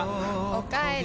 おかえり。